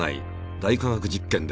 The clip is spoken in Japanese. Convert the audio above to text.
「大科学実験」で。